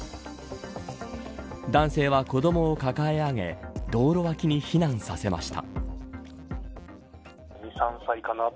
男性は、子どもを抱え上げ道路脇に避難させました。